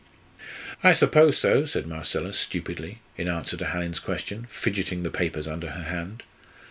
"I suppose so," said Marcella, stupidly, in answer to Hallin's question, fidgeting the papers under her hand.